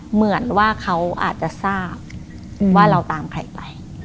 เหมือนว่าเขาอาจจะทราบว่าเราตามใครไป